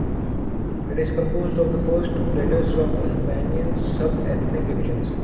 It is composed of the first two letters of Albanian subethnic divisions.